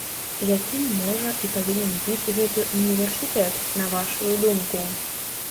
Якім можа і павінен быць гэты ўніверсітэт, на вашую думку?